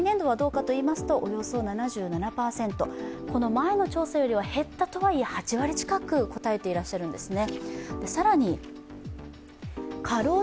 前の調査よりは減ったとはいえ８割近く答えていらっしゃるんですね。